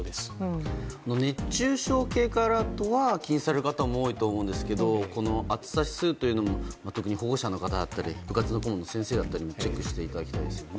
熱中症警戒アラートは気にされる方も多いと思うんですが暑さ指数というのも特に保護者の方だったり部活の顧問の先生もチェックしていただきたいですね。